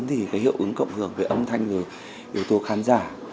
thì cái hiệu ứng cộng hưởng về âm thanh rồi yếu tố khán giả